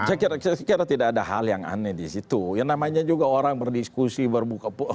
saya kira tidak ada hal yang aneh di situ yang namanya juga orang berdiskusi berbuka puasa